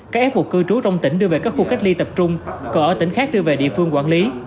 các em phục cư trú trong tỉnh đưa về các khu cách ly tập trung còn ở tỉnh khác đưa về địa phương quản lý